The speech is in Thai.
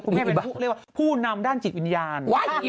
แม่เป็นผู้เรียกว่าผู้นำด้านจิตวิญญาณ